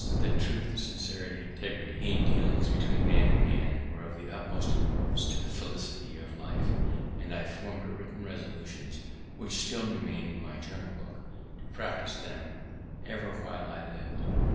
I grew convinc'd that truth, sincerity and integrity in dealings between man and man were of the utmost importance to the felicity of life; and I form'd written resolutions, which still remain in my journal book, to practice them ever while I lived.